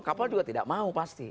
kapal juga tidak mau pasti